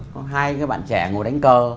có hai cái bạn trẻ ngồi đánh cờ